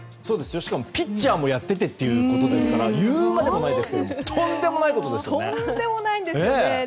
しかもピッチャーもやっていてということですから言うまでもないですがとんでもないことですよね。